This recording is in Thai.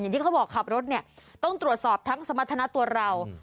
อย่างที่เขาบอกขับรถต้องตรวจสอบทั้งสมาธนาตัวเรา